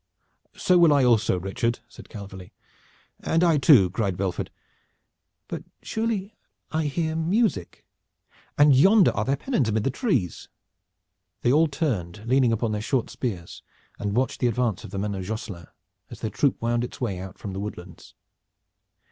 "So will I also, Richard," said Calverly. "And I too!" cried Belford. "But surely I hear music, and yonder are their pennons amid the trees." They all turned, leaning upon their short spears, and watched the advance of the men of Josselin, as their troop wound its way out from the woodlands.